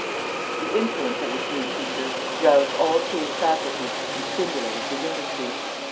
The influence of this new teacher roused all Thiers' faculties and stimulated his industry.